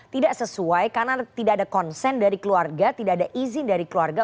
tidak sesuai karena tidak ada konsen dari keluarga tidak ada izin dari keluarga